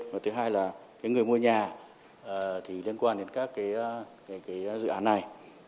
và thứ hai là người mua nhà thì liên quan đến các cái dự án này